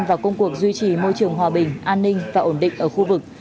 vào công cuộc duy trì môi trường hòa bình an ninh và ổn định ở khu vực